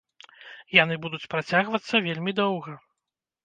Яны будуць працягвацца вельмі доўга.